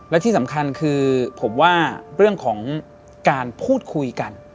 และที่สำคัญคือผมว่าเรื่องของการพูดคุยกัน